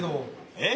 えっ？